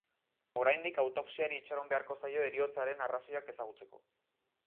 Oraindik autopsiari itxaron beharko zaio heriotzaren arrazoiak ezagutzeko.